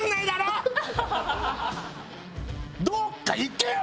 どっか行けよ！